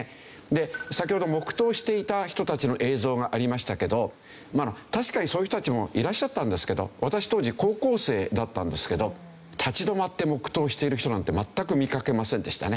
で先ほど黙祷していた人たちの映像がありましたけど確かにそういう人たちもいらっしゃったんですけど私当時高校生だったんですけど立ち止まって黙祷している人なんて全く見かけませんでしたね。